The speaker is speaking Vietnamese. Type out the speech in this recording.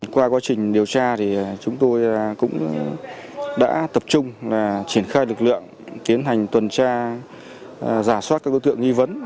qua quá trình điều tra thì chúng tôi cũng đã tập trung triển khai lực lượng tiến hành tuần tra giả soát các đối tượng nghi vấn